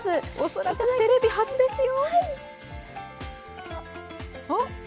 恐らくテレビ初ですよ。